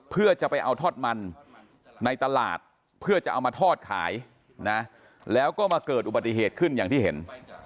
เพื่อจะไปเอาทอดมันในตลาดเพื่อจะเอามาทอดขายนะแล้วก็มาเกิดอุบัติเหตุขึ้นอย่างที่เห็น